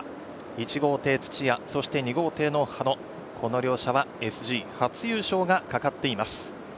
１号艇・土屋、そして２号艇の羽野、この両者はＳＧ初優勝がかかっています。